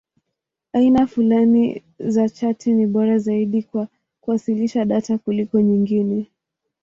Aina fulani za chati ni bora zaidi kwa kuwasilisha data kuliko nyingine.